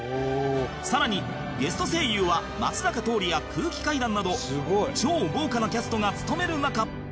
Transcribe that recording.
さらにゲスト声優は松坂桃李や空気階段など超豪華なキャストが務める中